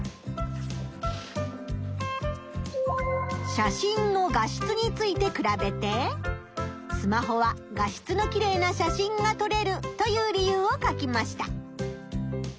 写真の画質について比べて「スマホは画質のきれいな写真がとれる」という理由を書きました。